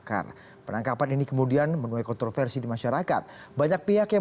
karena bapak future eksperts sayang